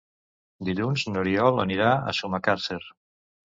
Dilluns n'Oriol anirà a Sumacàrcer.